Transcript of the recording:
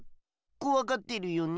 こわがってるよね。